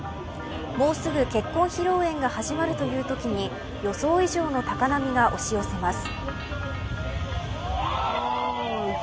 もうすぐ結婚披露宴が始まるというときに予想以上の高波が押し寄せます。